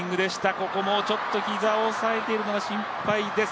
ここも膝を押さえているのが心配です。